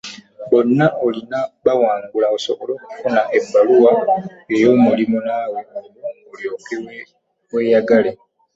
Bonna olina bawangula osobole okufuna ebbaluwa yo ey'omulimu naawe olwo olyoke weeyagale.